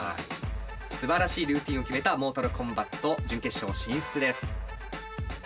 すばらしいルーティーンを決めたモータルコンバット準決勝進出です。